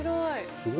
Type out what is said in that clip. すごい！